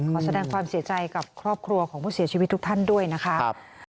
ขอแสดงความเสียใจกับครอบครัวของผู้เสียชีวิตทุกท่านด้วยนะครับ